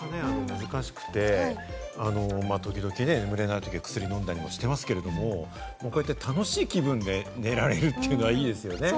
眠るってなかなか難しくて、時々ね、眠れなくて薬を飲んだりもしてますけれどもね、こうやって楽しい気分で寝られるというのはいいですね。